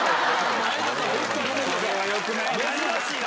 それはよくないな！